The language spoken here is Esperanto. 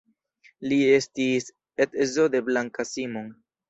Li estis edzo de Blanka Simon.